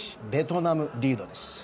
ベトナムリードです。